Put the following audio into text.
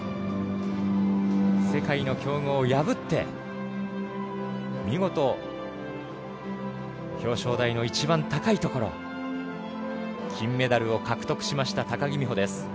世界の強豪を破って見事、表彰台の一番高いところ金メダルを獲得しました高木美帆です。